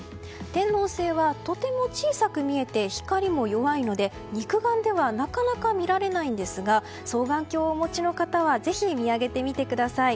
天王星はとても小さく見えて光も弱いので、肉眼ではなかなか見られないんですが双眼鏡をお持ちの方はぜひ見上げてみてください。